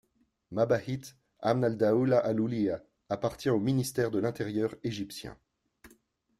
Mabahith Amn al-Dawla al-'Ulya appartient au ministère de l'Intérieur égyptien.